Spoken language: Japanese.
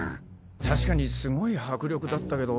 確かにすごい迫力だったけど。